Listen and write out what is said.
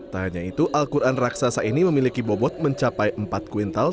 tak hanya itu al quran raksasa ini memiliki bobot mencapai empat kuintal